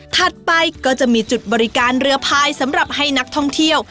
ถัดไปก็จะมีจุดบริการเรือพายสำหรับให้นักท่องเที่ยว